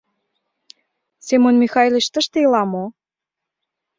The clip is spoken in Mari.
— Семон Михайлыч тыште ила мо?